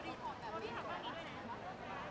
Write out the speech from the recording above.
เร็วรีบแต่งงานนะ